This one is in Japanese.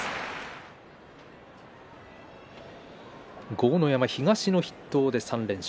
豪ノ山、東の筆頭で３連勝。